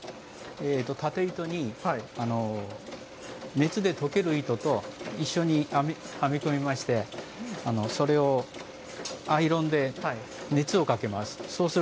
縦糸に熱でとける糸と一緒に編み込みまして、それをアイロンで熱をかけます。